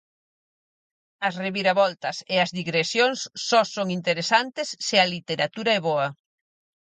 As reviravoltas e as digresións só son interesantes se a literatura é boa.